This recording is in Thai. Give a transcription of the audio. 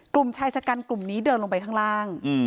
กลุ่มชายชะกันกลุ่มนี้เดินลงไปข้างล่าง